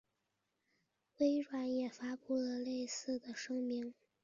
微软也发布了类似的声明。